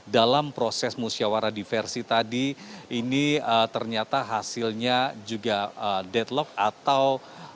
dalam proses musyawarah diversi tadi ini ternyata hasilnya juga deadlock atau